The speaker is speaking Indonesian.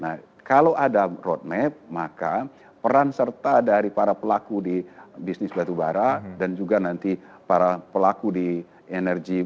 now kalau ada road map maka peran serta dari para pelaku di bisnis batu bara dan juga nanti para pelaku di energy baru terbarukan bisa bunul